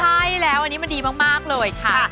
ใช่แล้วอันนี้มันดีมากเลยค่ะ